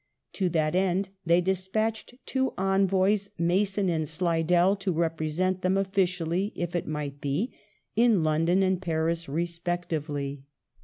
To that end they despatched two envoys, Mason and Slidell, to represent them, officially if it might be, in London and Paris respectively.